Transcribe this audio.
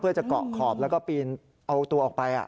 เพื่อจะเกาะขอบแล้วก็ปีนเอาตัวออกไป